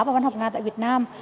và văn học nga tại việt nam